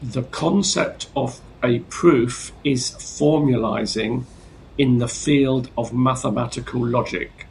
The concept of a proof is formalized in the field of mathematical logic.